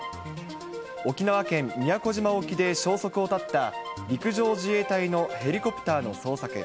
沖縄県宮古島沖で消息を絶った、陸上自衛隊のヘリコプターの捜索。